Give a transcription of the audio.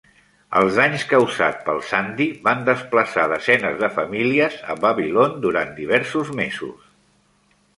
Els danys causats pel Sandy van desplaçar desenes de famílies a Babylon durant diversos mesos.